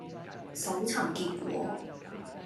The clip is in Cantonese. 搜尋結果